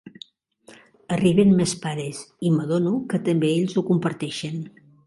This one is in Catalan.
Arriben més pares i m'adono que també ells ho comparteixen.